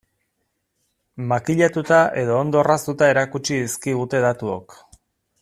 Makillatuta eta ondo orraztuta erakutsi dizkigute datuok.